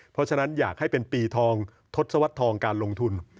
เพราะฉะนั้นอยากให้เป็นปีทองทศวรรษทองการลงทุน